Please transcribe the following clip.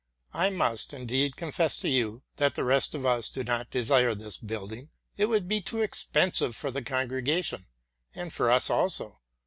I must, indeed, confess to you that the rest of us do not desire this building: it would be too expensive for the congregation and for us also.